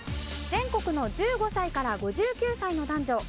全国の１５歳から５９歳の男女